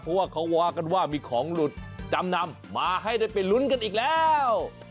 เพราะว่าเขาว่ากันว่ามีของหลุดจำนำมาให้ได้ไปลุ้นกันอีกแล้ว